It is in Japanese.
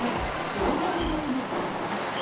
上限超えも。